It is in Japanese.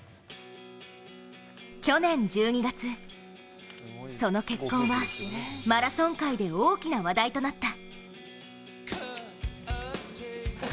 去年１２月、その結婚はマラソン界で大きな話題となった。